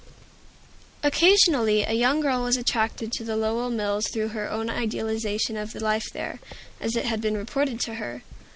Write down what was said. Occasionally a young girl was attracted to the Lowell mills through her own idealization of the life there, as it had been reported to her.